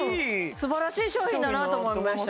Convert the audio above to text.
すばらしい商品だなと思いました